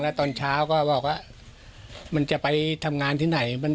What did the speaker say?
แล้วตอนเช้าก็บอกว่ามันจะไปทำงานที่ไหน